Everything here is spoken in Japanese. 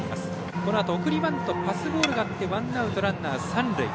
このあと送りバントとパスボールがあってワンアウト、ランナー、三塁。